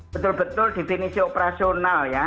betul betul definisi operasional ya